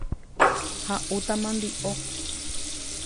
Ha'úta mandi'o.